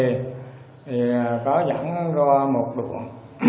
thì có vẫn ra một đoạn